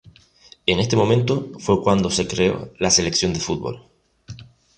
En este momento fue cuando se creó la sección de fútbol.